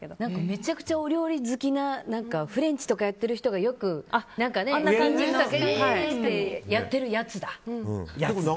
めちゃくちゃお料理好きなフレンチとかやってる人がよくニンジンとかやってるやつだ。